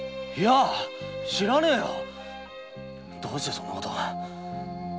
いや知らねえよどうしてそんなことを。